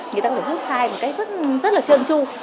người ta có thể hút thai một cách rất là trơn tru